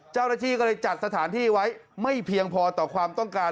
เจ้าหน้าที่ก็เลยจัดสถานที่ไว้ไม่เพียงพอต่อความต้องการ